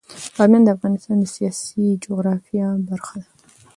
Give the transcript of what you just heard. بامیان د افغانستان د سیاسي جغرافیه برخه ده.